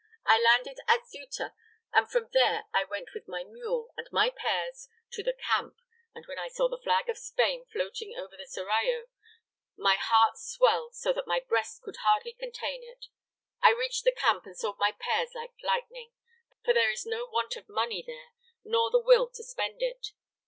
I landed at Ceuta and from there I went with my mule and my pears to the camp; and when I saw the flag of Spain floating over the Serrallo, my heart swelled so that my breast could hardly contain it. I reached the camp and sold my pears like lightning, for there is no want of money there, nor of the will to spend it.